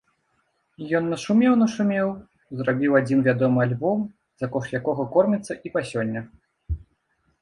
Ён нашумеў-нашумеў, зрабіў адзін вядомы альбом, за кошт якога корміцца і па сёння.